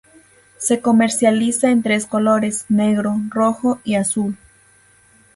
Se comercializa en tres colores: negro, rojo y azul.